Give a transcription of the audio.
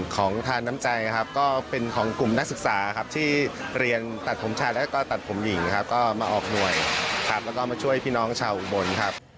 ก็มาออกหน่วยแล้วก็มาช่วยพี่น้องชาวอุบลครับ